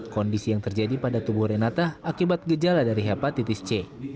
kondisi yang terjadi pada tubuh renata akibat gejala dari hepatitis c